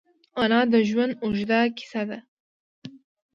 انا د ژوند اوږده کیسه ده